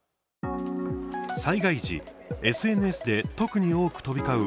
災害時、ＳＮＳで特に多く飛び交う